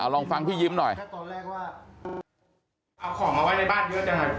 เอาลองฟังพี่ยิ้มหน่อยแค่ตอนแรกว่าเอาของมาไว้ในบ้านเยอะจังค่ะ